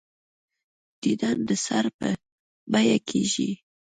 دیدن د سر په بیعه کېږي.